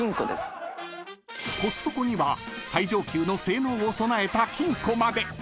［コストコには最上級の性能を備えた金庫まで］